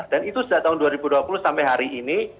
dan itu sejak tahun dua ribu dua puluh sampai hari ini